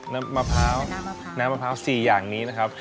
มะพร้าวน้ำมะพร้าน้ำมะพร้าว๔อย่างนี้นะครับ